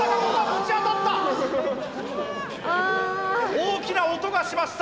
大きな音がしました。